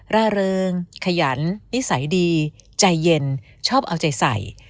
ร่าเริงขยันนิสัยดีใจเย็นชอบเอาใจใส่